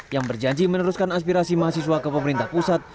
yang berjanji meneruskan aspirasi mahasiswa ke pemerintah pusat